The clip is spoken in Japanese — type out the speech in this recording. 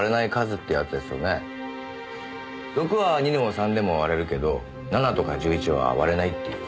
６は２でも３でも割れるけど７とか１１は割れないっていう。